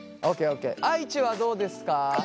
愛知はどうですか？